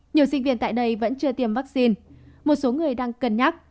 nhiều sinh viên tại đây vẫn chưa tiêm vaccine một số người đang cân nhắc